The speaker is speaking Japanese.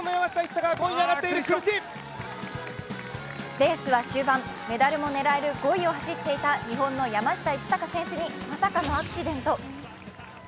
レースは終盤、メダルも狙える５位を走っていた日本の山下一貴選手にまさかのアクシデント。